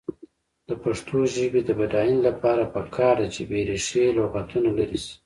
د پښتو ژبې د بډاینې لپاره پکار ده چې بېریښې لغتونه لرې شي.